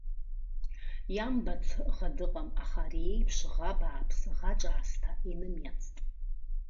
Иамбац ӷа дыҟам, аха ари иеиԥш ӷа бааԥс, ӷа ҿаасҭа инымиацт.